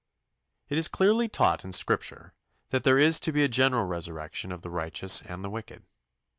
It is clearly taught in Scripture that there is to be a general resurrection of the righteous and the wicked.